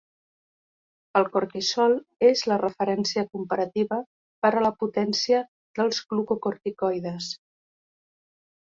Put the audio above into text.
El cortisol és la referència comparativa per a la potència dels glucocorticoides.